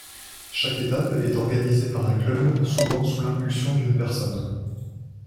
Chaque étape est organisée par un club, souvent sous l'impulsion d'une personne.